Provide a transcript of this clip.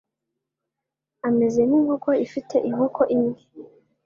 Ameze nkinkoko ifite inkoko imwe.